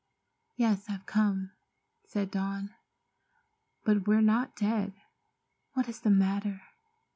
"Yes, I've come," said Dawn; "but we're not dead. What is the matter?